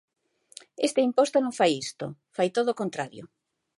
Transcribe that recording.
Este imposto non fai isto, fai todo o contrario.